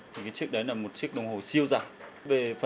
chúng tôi tìm đến phố hàng đào